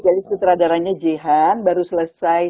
jadi sutradaranya jay han baru selesai